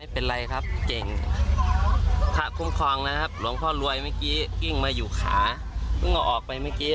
ตอนนี้อวัดเหตุนะคะตอนนี้รูปผมติด